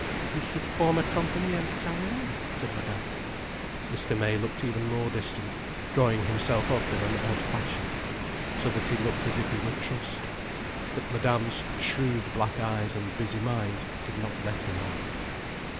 "You should form a company, and carry on—" said Madame. Mr. May looked even more distant, drawing himself up in an odd fashion, so that he looked as if he were trussed. But Madame's shrewd black eyes and busy mind did not let him off.